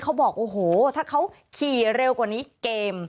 เขาบอกโอ้โหถ้าเขาขี่เร็วกว่านี้เกม